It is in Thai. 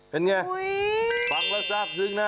เป็นอย่างไรฟังแล้วทราบซึ้งนะ